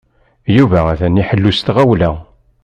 Yuba atan iḥellu s tɣawla.